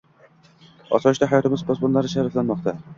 Osoyishta hayotimiz posbonlari sharaflanmoqda